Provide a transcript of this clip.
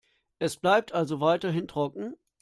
Es bleibt also weiterhin trocken.